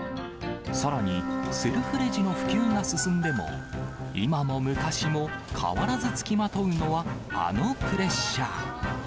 さらに、セルフレジの普及が進んでも、今も昔も変わらず付きまとうのは、あのプレッシャー。